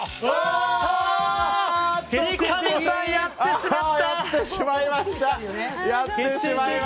三上さん、やってしまいました。